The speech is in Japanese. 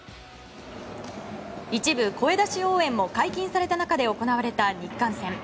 一部声出し応援も解禁された中で行われた日韓戦。